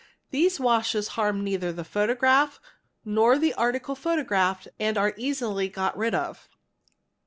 These washes harm neither the photograph nor the article photographed and are easily got rid of.